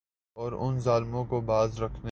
اور ان ظالموں کو باز رکھنے